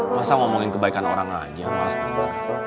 masa ngomongin kebaikan orang aja malas melintar